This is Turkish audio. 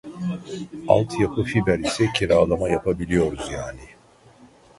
Alt yapı fiber ise kiralama yapabiliyoruz yani